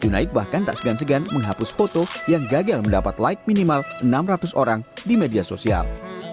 junaid bahkan tak segan segan menghapus foto yang gagal mendapat like minimal enam ratus orang di media sosial